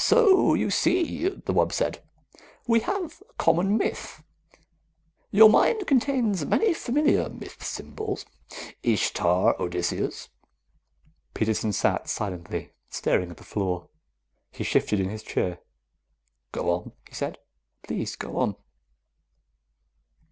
"So you see," the wub said, "we have a common myth. Your mind contains many familiar myth symbols. Ishtar, Odysseus " Peterson sat silently, staring at the floor. He shifted in his chair. "Go on," he said. "Please go on."